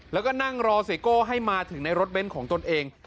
แล้วก็นั่งรอเซโก้ให้มาถึงในรถเบ้นของตนเอง